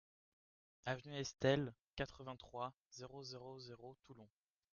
Avenue Estelle, quatre-vingt-trois, zéro zéro zéro Toulon